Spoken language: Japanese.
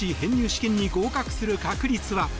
試験に合格する確率は？